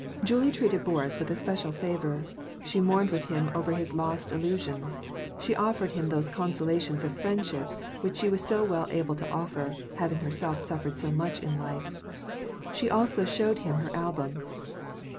Julie treated Boris with especial favor ; she mourned with him over his lost illusions; she offered him those consola tions of friendship which she was so well able to offer, having herself suffered so much in life; she also showed him her album.